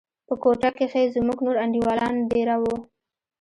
په كوټه کښې زموږ نور انډيوالان دېره وو.